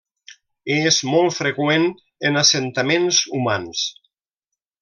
És molt freqüent en assentaments humans.